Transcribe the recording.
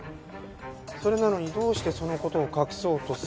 それなのにどうしてその事を隠そうとするのか。